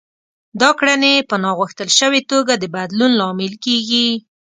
دا کړنې يې په ناغوښتل شوې توګه د بدلون لامل کېږي.